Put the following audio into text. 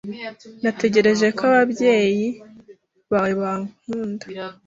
Natekereje ko ababyeyi bawe bankunda.